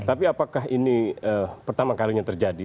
tapi apakah ini pertama kalinya terjadi